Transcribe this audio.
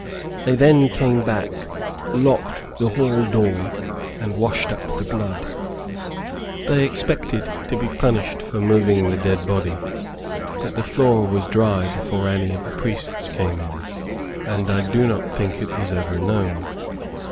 They then came back, locked the hall door, and washed up the blood. They expected to be punished for moving the dead body, but the floor was dry before any of the priests came in, and I do not think it was ever known.